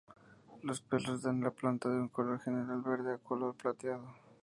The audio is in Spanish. Los pelos dan a la planta de un color general verde a color plateado.